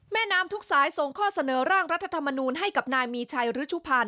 แม่น้ำทุกสายส่งข้อเสนอร่างรัฐธรรมนูลให้กับนายมีชัยฤชุพันธ์